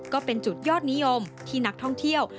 ก็เป็นจุดยอดนิยมที่นักท่องเที่ยว